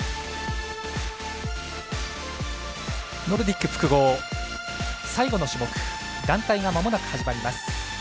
ノルディック複合団体がまもなく始まります。